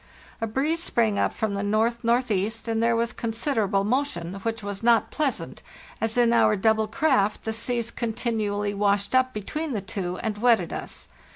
A breeze sprang up from the north northeast, and there was considerable motion, which was not pleasant, as in our double craft the seas continually washed up between the two and wetted us.